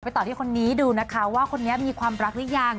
ต่อที่คนนี้ดูนะคะว่าคนนี้มีความรักหรือยัง